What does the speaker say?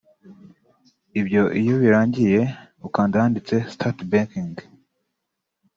Ibyo iyo birangiye akanda ahanditse ‘Start Banking’